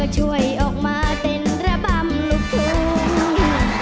ช่วยออกมาเต้นระบำลูกทุ่ง